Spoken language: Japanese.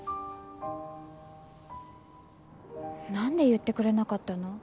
なんで言ってくれなかったの？